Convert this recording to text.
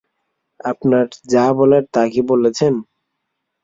আপনার যা বলার তা কি বলেছেন?